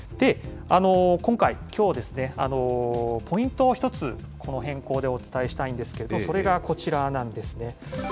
今回、きょう、ポイントを１つ、この変更でお伝えしたいんですけど、それがこちらなんですね。